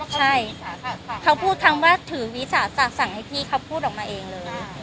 ใช่เขาพูดคำว่าถือวิสาสะสั่งให้พี่เขาพูดออกมาเองเลย